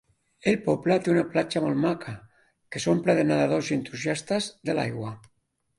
El poble té una platja molt maca que s'omple de nedadors i entusiastes de l'aigua.